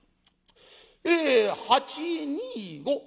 え８２５。